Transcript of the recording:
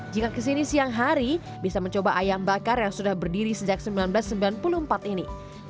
jika kesini siang hari bisa mencoba ayam bakar yang sudah berdiri sejak seribu sembilan ratus sembilan puluh empat ini